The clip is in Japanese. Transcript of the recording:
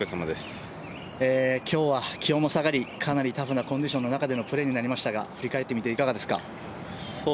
今日は気温も下がりかなりタフなコンディションの中でのプレーになりましたが振り返ってみていかがですか？